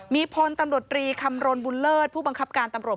มีพลตำรวจรีคำรณบุญเลิศผู้บังคับการตำรวจ